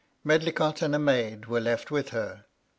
Medlicott and a maid were left with her.